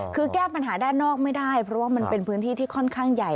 คือแก้ปัญหาด้านนอกไม่ได้เพราะว่ามันเป็นพื้นที่ที่ค่อนข้างใหญ่